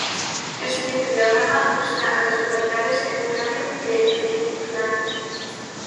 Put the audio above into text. El siguiente diagrama muestra a las localidades en un radio de de Kirkland.